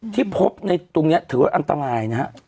ที่พบในตรงนี้ถือว่าอันตรายนะฮะ